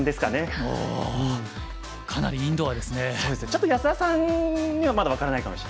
ちょっと安田さんにはまだ分からないかもしれないです。